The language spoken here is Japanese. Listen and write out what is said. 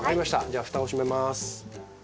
じゃあふたを閉めます。